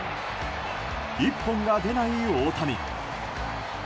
１本が出ない大谷。